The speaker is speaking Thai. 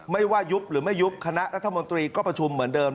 ไม่ว่ายุบหรือไม่ยุบคณะรัฐมนตรีก็ประชุมเหมือนเดิม